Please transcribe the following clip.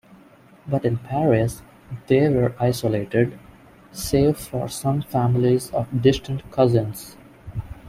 But in Paris they were isolated, save for some families of distant cousins.